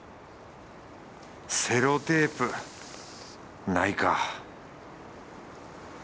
セロテープないか